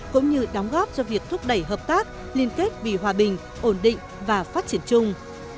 cũng như đóng góp cho việc thúc đẩy hợp tác liên kết vì hòa bình ổn định và phát triển chung